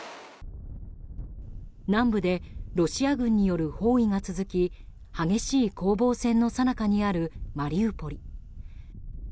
南部でロシア軍による包囲が続き激しい攻防戦のさなかにあるマリウポリ。